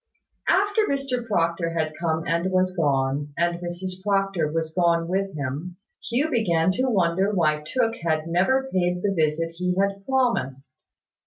After Mr Proctor had come and was gone, and Mrs Proctor was gone with him, Hugh began to wonder why Tooke had never paid the visit he had promised.